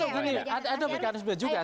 ada berkaren juga